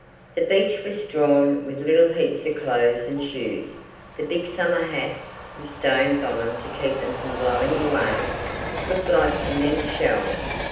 The beach was strewn with little heaps of clothes and shoes; the big summer hats, with stones on them to keep them from blowing away, looked like immense shells.